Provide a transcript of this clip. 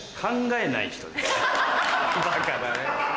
バカだね。